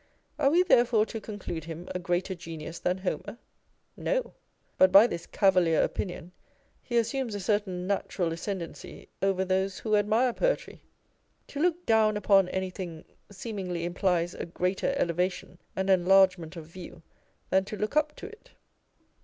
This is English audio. Are we therefore to conclude him a greater genius than Homer ? No : but by this cavalier opinion he assumes a certain natural ascendancy over those who admire poetry. To look down upon anything seemingly implies a greater elevation and enlargement of view than to looJc up to it.